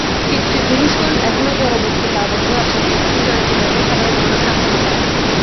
পিতৃপুরুষগণ এখনও জড়বস্তুতে আবদ্ধ আছেন, এই কথা জানিতে পারিলে সাধারণ মানুষ সান্ত্বনা পায়।